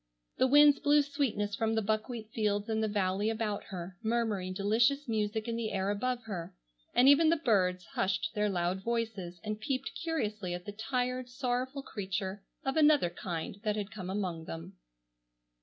The winds blew sweetness from the buckwheat fields in the valley about her, murmuring delicious music in the air above her, and even the birds hushed their loud voices and peeped curiously at the tired, sorrowful creature of another kind that had come among them.